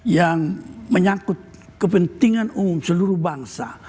yang menyangkut kepentingan umum seluruh bangsa